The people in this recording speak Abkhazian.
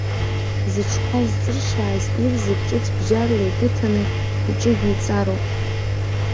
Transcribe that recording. Зыҽқәа зҵыршьааз ир зегьы ҿыц бџьарла еибыҭаны иҽыжәиҵароуп.